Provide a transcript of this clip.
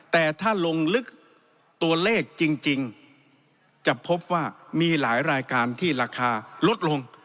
แต่ถ้าลงลึกตัวเลขจริงจะพบว่ามีหลายรายการที่ราคาลดลง